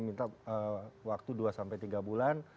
minta waktu dua sampai tiga bulan